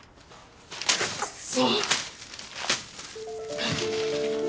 クソ！